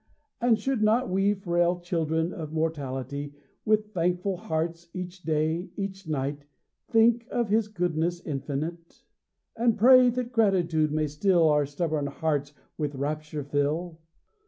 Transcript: And should not we, Frail children of mortality, With thankful hearts, each day, each night, Think of his goodness infinite? And pray, that gratitude may still Our stubborn hearts with rapture fill?